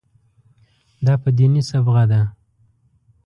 دا په دیني صبغه ده.